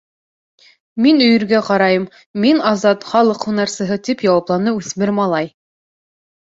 Мин өйөргә ҡарайым, мин — Азат Халыҡ һунарсыһы, — тип яуапланы үҫмер малай.